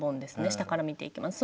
下から見ていきます。